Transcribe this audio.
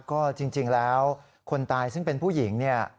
ก็จริงแล้วคนตายซึ่งเป็นผู้หญิงเนี่ย